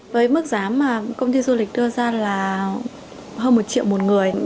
với mức giá mà công ty du lịch đưa ra là hơn một triệu một người